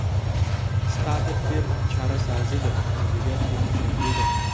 ستا تدبیر چاره سازي ده، مدیریت دی هوښیاري ده